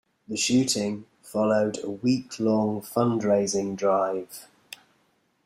The shooting followed a week-long fundraising drive.